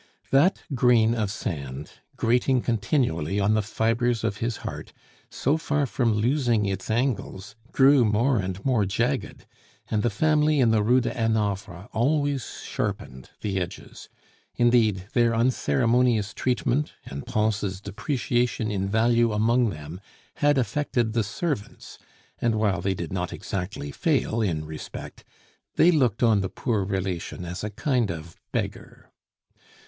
That grain of sand, grating continually on the fibres of his heart, so far from losing its angles, grew more and more jagged, and the family in the Rue de Hanovre always sharpened the edges. Indeed, their unceremonious treatment and Pons' depreciation in value among them had affected the servants; and while they did not exactly fail in respect, they looked on the poor relation as a kind of beggar.